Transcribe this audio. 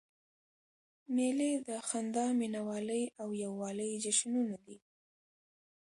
مېلې د خندا، مینوالۍ او یووالي جشنونه دي.